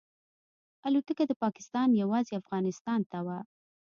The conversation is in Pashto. الوتکه د پاکستان یوازې افغانستان ته وه.